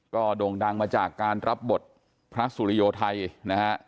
ก็โด่งดังมาจากการรับบทศุรโยธัยไทยค่ะ